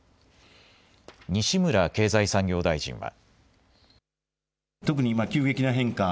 西村経済産業大臣は。